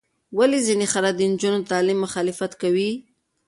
ولې ځینې خلک د نجونو د تعلیم مخالفت کوي؟